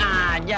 hah ada aja